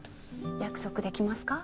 約束できますか？